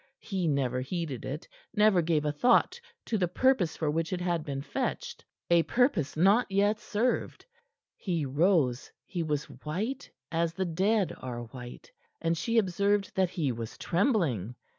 He never heeded it, never gave a thought to the purpose for which it had been fetched, a purpose not yet served. He rose. He was white as the dead are white, and she observed that he was trembling.